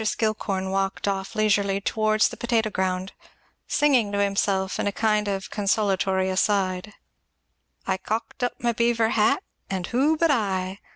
Skillcorn walked off leisurely towards the potato ground, singing to himself in a kind of consolatory aside, "I cocked up my beaver, and who but I!